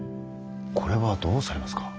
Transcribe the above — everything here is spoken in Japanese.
これはどうされますか。